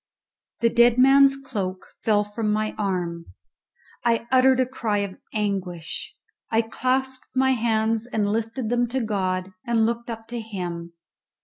The dead man's cloak fell from my arm; I uttered a cry of anguish; I clasped my hands and lifted them to God, and looked up to Him.